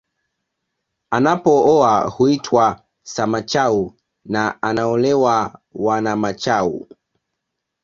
Anapooa huitwa Samachau na anaeolewa Wanamachau